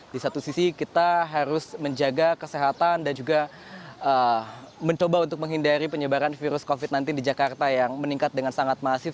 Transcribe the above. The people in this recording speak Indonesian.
di satu sisi kita harus menjaga kesehatan dan juga mencoba untuk menghindari penyebaran virus covid sembilan belas di jakarta yang meningkat dengan sangat masif